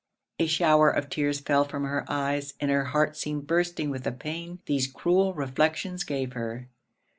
A shower of tears fell from her eyes, and her heart seemed bursting with the pain these cruel reflections gave her.